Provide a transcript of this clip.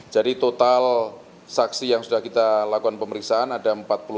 jadi total saksi yang sudah kita lakukan pemeriksaan ada empat puluh tiga